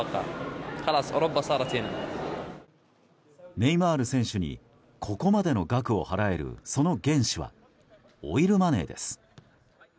ネイマール選手にここまでの額を払えるその原資は、オイルマネーです。